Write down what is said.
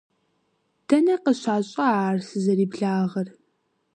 Дэнэ къыщащӀа ар сызэриблагъэр?